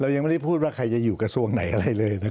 ยังไม่ได้พูดว่าใครจะอยู่กระทรวงไหนอะไรเลยนะครับ